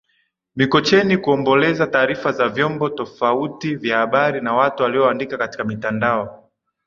Mikocheni kuomboleza taarifa za vyombo tofauti vya habari na watu walioandika katika mitandao